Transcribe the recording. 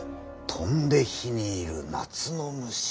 「飛んで火に入る夏の虫」。